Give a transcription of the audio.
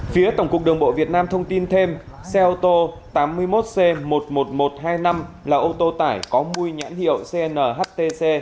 phía tổng cục đường bộ việt nam thông tin thêm xe ô tô tám mươi một c một mươi một nghìn một trăm hai mươi năm là ô tô tải có mùi nhãn hiệu cnhtc